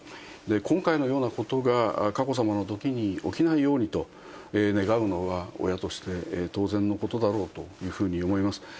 今回のようなことが佳子さまのときに起きないようにと願うのは、親として当然のことだろうというふうに思います。